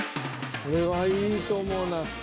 これはいいと思うなぁ。